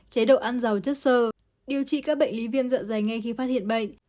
chế độ ăn dầu chất sơ điều trị các bệnh lý viêm dạ dày ngay khi phát hiện bệnh